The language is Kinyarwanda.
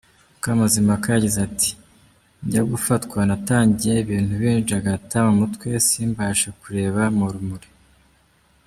Mukamazimpaka yagize ati “Njya gufatwa, natangiye ibintu binjagata mu mutwe, simbashe kureba mu rumuri.